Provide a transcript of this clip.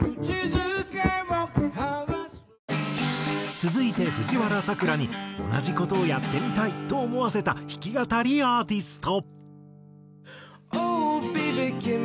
続いて藤原さくらに同じ事をやってみたいと思わせた弾き語りアーティスト。